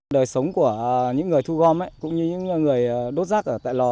đời sống của những người thu gom cũng như những người đốt rác ở tại lò